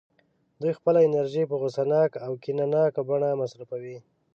دوی خپله انرژي په غوسه ناکه او کینه ناکه بڼه مصرفوي